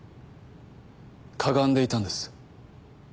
かがんでいたんです。